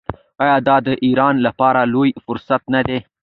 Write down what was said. آیا دا د ایران لپاره لوی فرصت نه دی؟